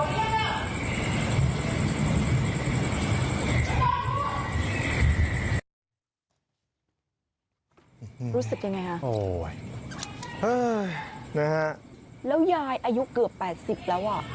รู้สึกยังไงคะแล้วยายอายุเกือบ๘๐แล้วอ่ะ